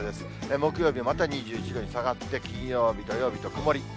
木曜日はまた２１度に下がって、金曜日、土曜日と曇り。